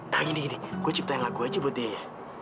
nah gini gini gue ciptain lagu aja buat dia ya